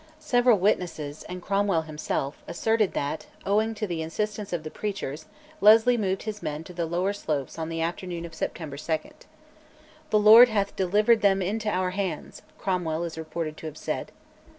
Several witnesses, and Cromwell himself, asserted that, owing to the insistence of the preachers, Leslie moved his men to the lower slopes on the afternoon of September 2. "The Lord hath delivered them into our hands," Cromwell is reported to have said.